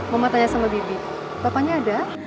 mama tanya sama bibi papahnya ada